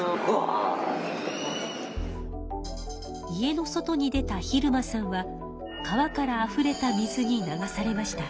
家の外に出た晝間さんは川からあふれた水に流されました。